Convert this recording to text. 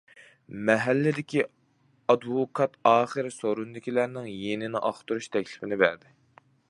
مەھەللىدىكى ئادۋوكات ئاخىرى سورۇندىكىلەرنىڭ يېنىنى ئاختۇرۇش تەكلىپىنى بەردى.